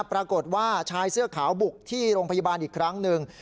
ปรากฏว่าชายเสื้อขาวบุกที่โรงพยาบาลอีกครั้งหนึ่ง